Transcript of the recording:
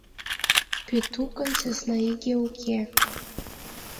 Пӧтукын сӧсна иге уке.